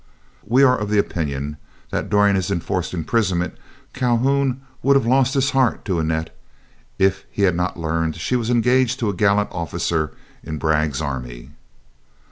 We are of the opinion that during his enforced imprisonment, Calhoun would have lost his heart to Annette if he had not learned she was engaged to a gallant officer in Bragg's army.